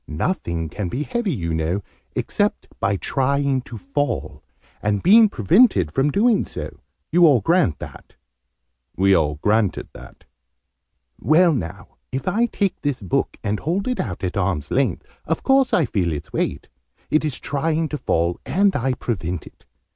Nothing can be heavy, you know, except by trying to fall, and being prevented from doing so. You all grant that?" We all granted that. "Well, now, if I take this book, and hold it out at arm's length, of course I feel its weight. It is trying to fall, and I prevent it.